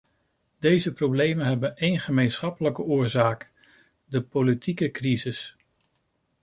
Deze problemen hebben één gemeenschappelijke oorzaak: de politieke crisis.